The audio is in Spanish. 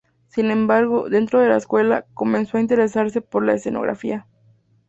Sin embargo, dentro de la escuela, comenzó a interesarse por la escenografía.